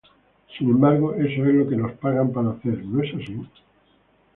Sin embargo, eso es lo que nos pagan para hacer, ¿no es así?